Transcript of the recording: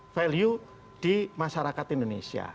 value di masyarakat indonesia